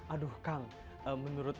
aduh kang menurut